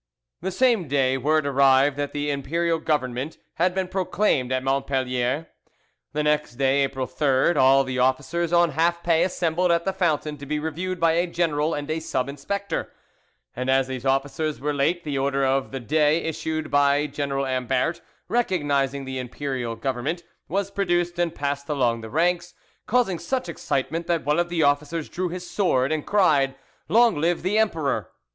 The same day word arrived that the Imperial Government had been proclaimed at Montpellier. The next day, April 3rd, all the officers on half pay assembled at the fountain to be reviewed by a general and a sub inspector, and as these officers were late, the order of the, day issued by General Ambert, recognising the Imperial Government, was produced and passed along the ranks, causing such excitement that one of the officers drew his sword and cried, "Long live the emperor!"